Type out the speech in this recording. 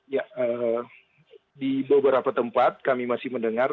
ya di beberapa tempat kami masih mendengar